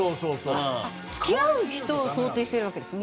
付き合う人を想定しているんですか。